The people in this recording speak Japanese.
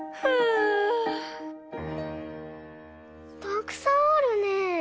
たくさんあるね。